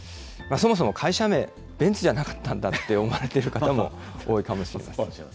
そもそも会社名、ベンツじゃなかったんだって思われてる方も多いかもしれません。